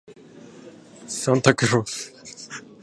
サンタクロース